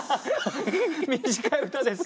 短い歌ですけど。